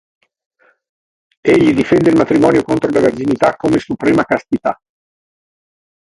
Egli difende il matrimonio contro la verginità come suprema castità.